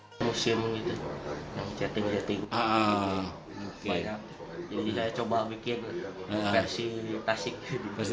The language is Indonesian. bisa muat satu lima ratus terus kalau ngeleso juga lebih dari lima menit